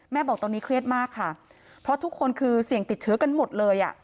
บอกตอนนี้เครียดมากค่ะเพราะทุกคนคือเสี่ยงติดเชื้อกันหมดเลยอ่ะ